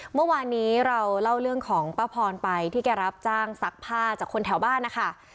เมื่อวานนี้เราเล่าเรื่องของป้าพรไปที่แกรับจ้างซักผ้าจากคนแถวบ้านนะคะ